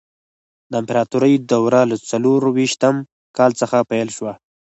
د امپراتورۍ دوره له څلور ویشتم کال څخه پیل شوه.